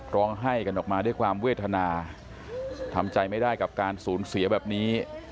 ร้องไห้กันออกมาด้วยความเวทนาทำใจไม่ได้กับการสูญเสียแบบนี้